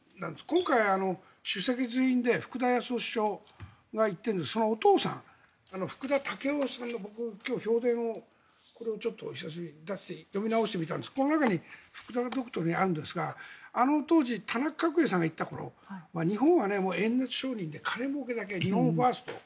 今回、主席随員で福田康夫首相が言っているんですがそのお父さん、福田赳夫さんの評伝を読み直してみたんですがこの中に福田ドクトリンあるんですがあの当時、田中角栄さんが行った頃日本は金もうけだけ、日本ファースト。